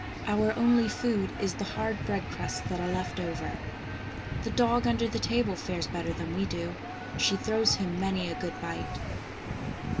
Our 197 THE ENCHANTED FA WN only food is the hard bread crusts that are left over. The dog under the table fares better than we do ; she throws him many a good bite.